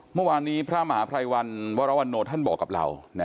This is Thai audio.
เมื่อวานนี้พระมหาภัยวันวรวรรณโนท่านบอกกับเรา